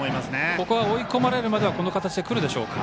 ここは追い込まれるまではこの形でくるでしょうか。